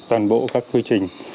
toàn bộ các quy trình